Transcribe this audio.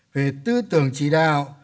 về tư tưởng chỉ đạo